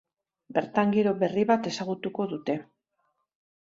Bertan giro berri bat ezagutuko dute.